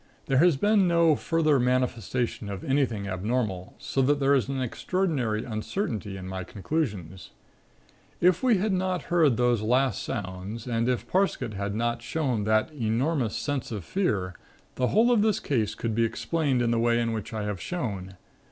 There has been no further manifestation of anything abnormal so that there is an extraordinary uncertainty in my conclusions. If we had not heard those last sounds and if Parsket had not shown that enormous sense of fear the whole of this case could be explained in the way in which I have shown.